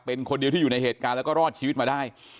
เป็นคนเดียวที่อยู่ในเหตุการณ์แล้วก็รอดชีวิตมาได้